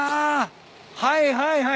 はいはいはい。